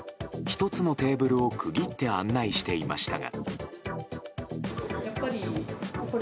１つのテーブルを区切って案内していましたが。